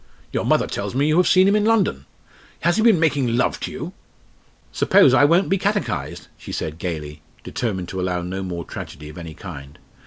Your mother tells me you have seen him in London. Has he been making love to you?" "Suppose I won't be catechised!" she said gaily, determined to allow no more tragedy of any kind.